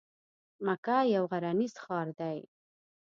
مکه یو غرنیز ښار دی.